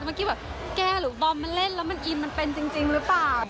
เมื่อกี้แบบแก้หรือบอมมันเล่นแล้วมันอินมันเป็นจริงหรือเปล่า